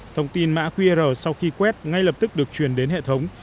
thông tin mã qr sau khi quét ngay lập tức được truyền đến hệ thống